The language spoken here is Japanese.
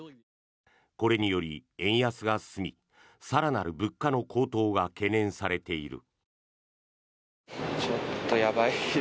これにより円安が進み更なる物価の高騰が懸念されている。